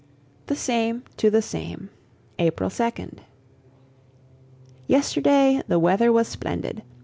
THE SAME TO THE SAME April 2nd. Yesterday the weather was splendid.